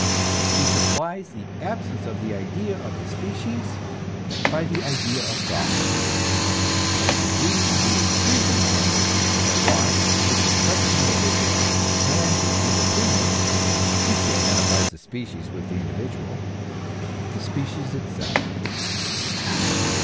He supplies the absence of the idea of the species by the idea of God, as the being who is free from the limits and wants which oppress the individual, and, in his opinion (since he identifies the species with the individual), the species itself.